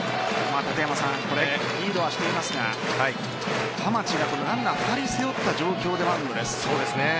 リードはしていますが浜地がランナー２人背負った状況でマウンドです。